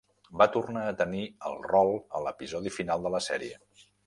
Va tornar a tenir el rol a l'episodi final de la sèrie.